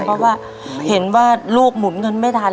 เพราะว่าเห็นว่าลูกหมุนเงินไม่ทัน